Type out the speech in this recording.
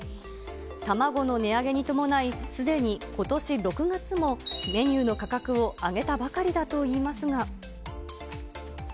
卵の値上げに伴い、すでにことし６月もメニューの価格を上げたばかりだといいますが。